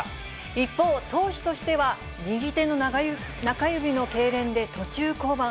一方、投手としては、右手の中指のけいれんで途中降板。